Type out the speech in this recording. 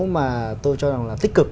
mà tôi cho rằng là tích cực